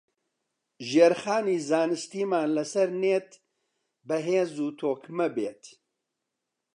ژێرخانی زانستیمان لەسەر نێت بەهێز و تۆکمە بێت